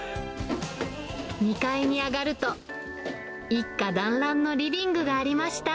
２階に上がると、一家だんらんのリビングがありました。